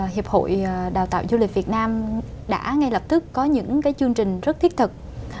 hiệp hội đào tạo du lịch việt nam đã ngay lập tức có những chương trình rất thiết thực